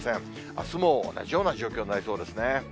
あすも同じような状況になりそうですね。